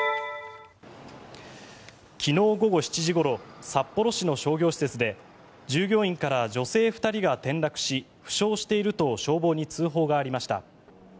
昨日午後７時ごろ札幌市の商業施設で従業員から女性２人が転落し負傷していると消防に通報がありました。